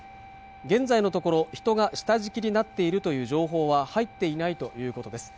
現在のところ人が下敷きになっているという情報は入っていないということです